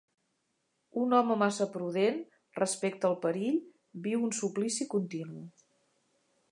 Un home massa prudent respecte el perill viu en suplici continu.